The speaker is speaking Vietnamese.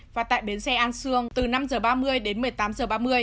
và tại biến xe an sương từ năm giờ ba mươi đến một mươi tám giờ ba mươi